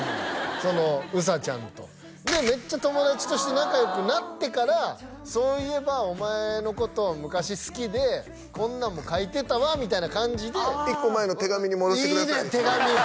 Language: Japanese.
そのうさちゃんとでめっちゃ友達として仲良くなってからそういえばお前のこと昔好きでこんなんも書いてたわみたいな感じで１個前の手紙に戻してくださいいいねん手紙！